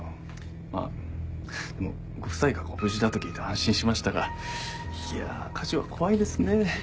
まあご夫妻がご無事だと聞いて安心しましたがいやあ火事は怖いですね。